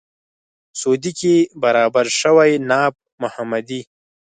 سعودي کې برابر شوی ناب محمدي.